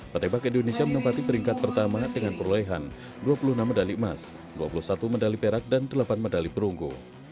petebak indonesia menempati peringkat pertama dengan perolehan dua puluh enam medali emas dua puluh satu medali perak dan delapan medali perunggu